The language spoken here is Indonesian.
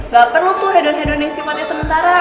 gak perlu tuh hedon hedon yang simet ya temen temen